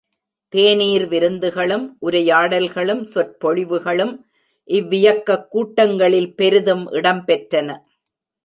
தேநீர் விருந்துகளும், உரையாடல்களும், சொற்பொழிவுகளும் இவ்வியக்கக் கூட்டங்களில் பெரிதும் இடம்பெற்றன.